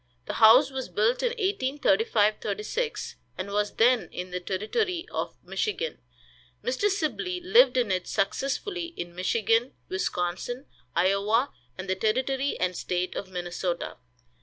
The house was built in 1835 36, and was then in the Territory of Michigan. Mr. Sibley lived in it successively in Michigan, Wisconsin, Iowa, and the Territory and State of Minnesota.